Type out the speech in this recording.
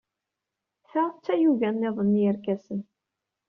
Ta d tayuga niḍen n yerkasen.